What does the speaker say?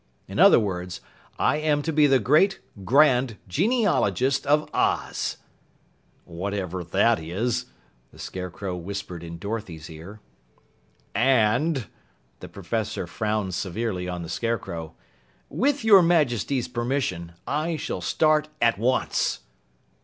In other words, I am to be the Great, Grand Genealogist of Oz!" "Whatever that is," the Scarecrow whispered in Dorothy's ear. "And," the Professor frowned severely on the Scarecrow, "with your Majesty's permission, I shall start at once!"